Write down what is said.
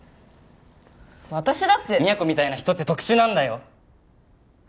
私だって都みたいな人って特殊なんだよ